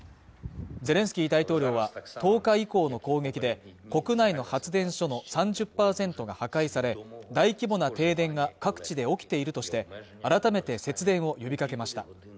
ゼレンスキー大統領は１０日以降の攻撃で国内の発電所の３０％が破壊され大規模な停電が各地で起きているとして改めて節電を呼びかけました